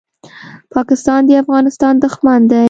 پاکستان د افغانستان دښمن دی.